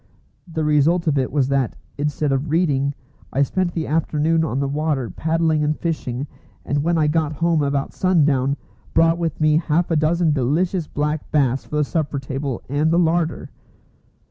The result of it was that, instead of reading, I spent the afternoon on the water paddling and fishing, and when I got home about sundown, brought with me half a dozen delicious black bass for the supper table and the larder.